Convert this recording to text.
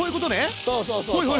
そうそうそうそう。